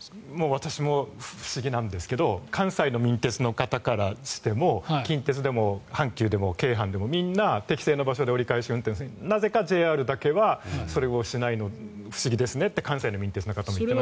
私も不思議なんですが関西の民鉄の方からしても近鉄でも阪急でも京阪でも、みんな適正な場所で折り返し運転をしているのになぜかＪＲだけはそれをしないのは不思議ですねと関西の民鉄の方も言っていますし。